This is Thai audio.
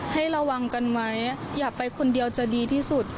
ให้ระวังกันไว้อย่าไปคนเดียวจะดีที่สุด